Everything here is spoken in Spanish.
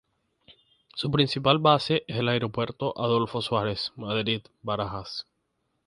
Su principal base es el Aeropuerto Adolfo Suárez Madrid-Barajas.